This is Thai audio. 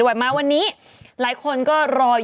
ดื่มน้ำก่อนสักนิดใช่ไหมคะคุณพี่